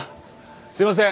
すいません！